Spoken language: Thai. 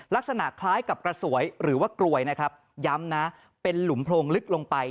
ลักษณะคล้ายกับกระสวยหรือว่ากลวยนะครับย้ำนะเป็นหลุมโพรงลึกลงไป